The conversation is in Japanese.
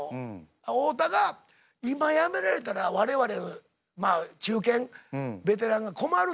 太田が「今辞められたら我々中堅ベテランが困る」と。